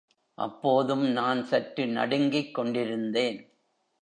அப்போதும் நான் சற்று நடுங்கிக் கொண்டிருந்தேன்.